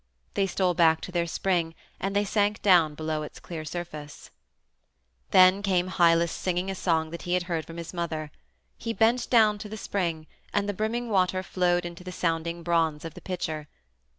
They stole back to their spring, and they sank down below its clear surface. Then came Hylas singing a song that he had heard from his mother. He bent down to the spring, and the brimming water flowed into the sounding bronze of the pitcher.